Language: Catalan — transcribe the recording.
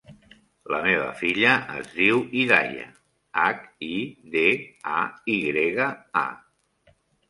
La meva filla es diu Hidaya: hac, i, de, a, i grega, a.